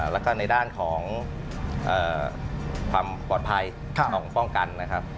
แล้วก็ในด้านของความปลอดภัยของป้องกันนะครับ